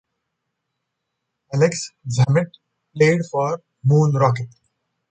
Alex Zammit played for Moon Rocket.